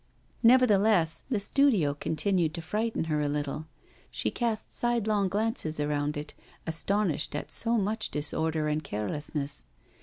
Nevertheless, the studio continued to frighten her a little. She cast sidelong glances around it, astonished at so much disorder and carelessness.